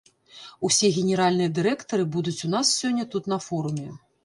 Усе генеральныя дырэктары будуць у нас сёння тут на форуме.